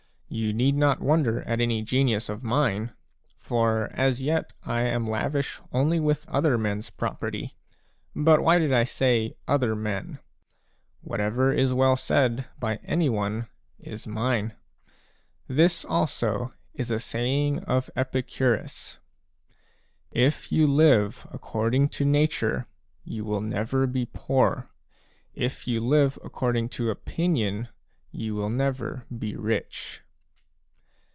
You need not wonder at any genius of mine ; for as yet I am lavish only with other men's property. — But why did 1 say "other men "? Whatever is well said by anyone is mine. — This also is a saying of Epicurus": "If you live according to nature, you will never be poor ; if you live according to opinion, you will never be rich."